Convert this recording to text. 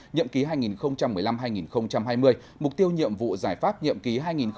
nhậm ký hai nghìn một mươi năm hai nghìn hai mươi mục tiêu nhiệm vụ giải pháp nhiệm ký hai nghìn hai mươi hai nghìn hai mươi năm